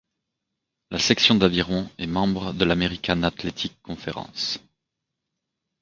La section d'aviron est membre de l'American Athletic Conference.